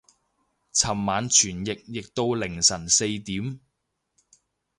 尋晚傳譯傳到凌晨四點